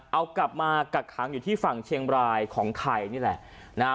เอากลับมากักขังอยู่ที่ฝั่งเชียงบรายของไทยนี่แหละนะฮะ